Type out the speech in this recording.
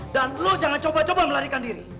dan lu jangan coba coba melarikan diri